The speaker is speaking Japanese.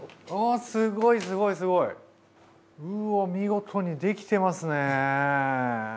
うわ見事にできてますね！